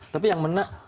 tapi yang mena